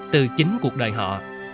từ chính cuộc đời họ